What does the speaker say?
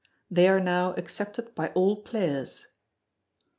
They are now accepted by all players.